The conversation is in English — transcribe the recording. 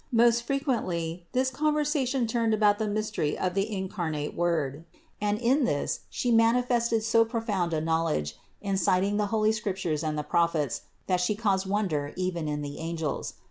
Most frequently this con versation turned about the mystery of the incarnate Word ; and in this She manifested so profound a knowl edge in citing the holy Scriptures and the Prophets that She caused wonder even in the angels.